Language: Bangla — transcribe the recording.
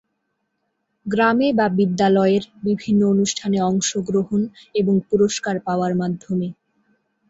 গ্রামে বা বিদ্যালয়ের বিভিন্ন অনুষ্ঠানে অংশগ্রহণ এবং পুরস্কার পাওয়ার মাধ্যমে।